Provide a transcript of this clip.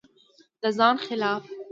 د ځان خلاف